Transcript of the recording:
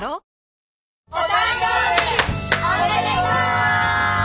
お誕生日おめでとう！